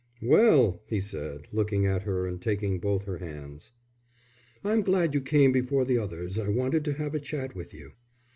"Well?" he said, looking at her and taking both her hands. "I'm glad you came before the others, I wanted to have a chat with you."